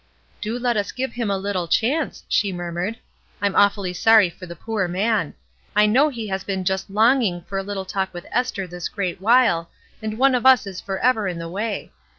Do let us give him a little chance," she murmured. "I'm awfully sorry for the poor man. I know he has been just longing for a little talk with Esther this great while, and one of us IS forever in the way.